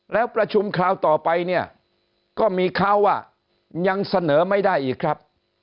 แล้วประชุมคราวต่อไปเนี่ยก็มีข่าวว่ายังเสนอไม่ได้อีกครับ